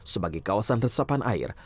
sebagai kawasan resepan air